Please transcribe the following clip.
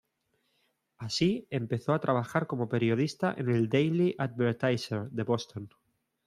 Así, empezó a trabajar como periodista en el Daily Advertiser de Boston.